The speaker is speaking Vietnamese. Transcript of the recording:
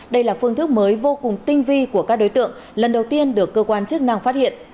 đây là phương thức mới vô cùng tinh vi của các đối tượng lần đầu tiên được cơ quan chức năng phát hiện